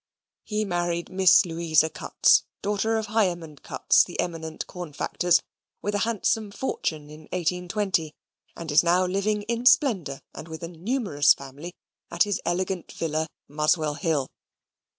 He married Miss Louisa Cutts (daughter of Higham and Cutts, the eminent cornfactors) with a handsome fortune in 1820; and is now living in splendour, and with a numerous family, at his elegant villa, Muswell Hill.